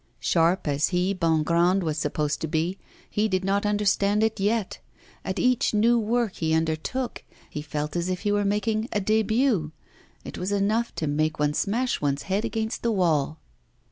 Sharp as he, Bongrand, was supposed to be, he did not understand it yet. At each new work he undertook, he felt as if he were making a debut; it was enough to make one smash one's head against the wall.